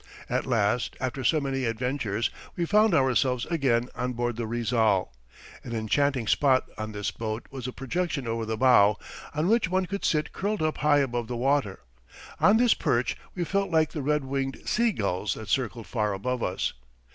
At last, after so many adventures, we found ourselves again on board the Rizal. An enchanting spot on this boat was a projection over the bow, on which one could sit curled up high above the water. On this perch we felt like the red winged sea gulls that circled far above us.